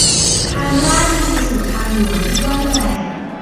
ทางลาดนำไปสู่ทางหลวงที่กว้างใหญ่